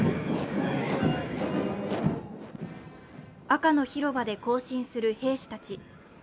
赤の広場で行進する兵士たち。